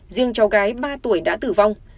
riêng cháu gái ba tuổi đã tử vong